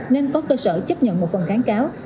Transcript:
nên có cơ sở chấp nhận một phần kháng cáo